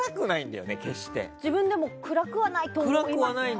自分でも暗くはないと思います。